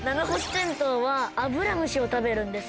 テントウはアブラムシを食べるんです。